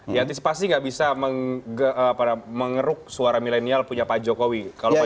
diantisipasi gak bisa mengeruk suara milenial punya pak jokowi